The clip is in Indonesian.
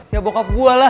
ya bokap gue lah